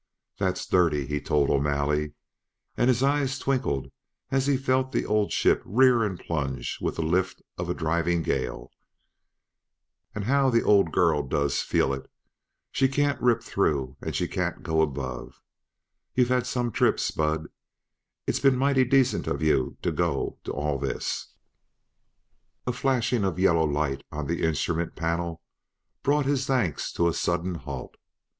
"That's dirty," he told O'Malley, and his eyes twinkled as he felt the old ship rear and plunge with the lift of a driving gale; "and how the old girl does feel it! She can't rip through, and she can't go above. You've had some trip, Spud; it's been mighty decent of you to go to all this "A flashing of yellow light on the instrument panel brought his thanks to a sudden halt.